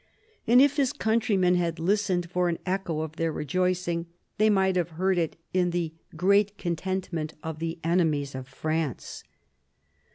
And if his country men had listened for an echo of their rejoicing, they might have heard it in the " great contentment " of the enemies of France.